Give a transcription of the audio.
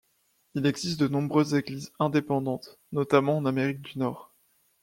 Il existe de nombreuses églises indépendantes, notamment en Amérique du Nord.